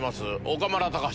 岡村隆史。